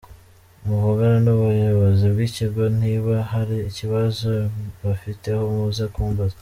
Muvugane n’ubuyobozi bw’ikigo niba hari ikibazo bamfiteho muze kumbaza.